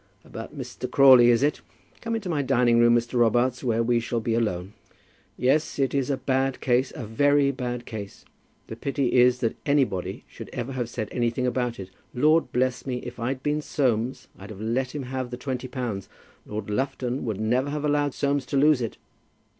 About Mr. Crawley is it? Come into my dining room, Mr. Robarts, where we shall be alone. Yes; it is a bad case; a very bad case. The pity is that anybody should ever have said anything about it. Lord bless me, if I'd been Soames I'd have let him have the twenty pounds. Lord Lufton would never have allowed Soames to lose it."